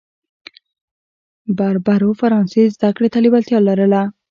بربرو فرانسې زده کړې ته لېوالتیا لرله.